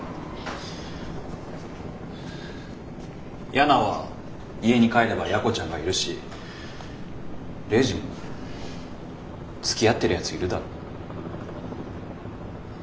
ヤナは家に帰ればやこちゃんがいるしレイジもつきあってるやついるだろ？